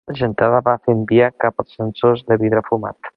La gentada va fent via cap als ascensors de vidre fumat.